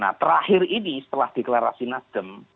nah terakhir ini setelah deklarasi nasdem